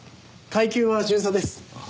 階級は巡査です。